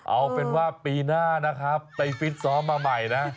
เอาเป็นว่าปีหน้านะครับไปฟิตซ้อมมาใหม่นะ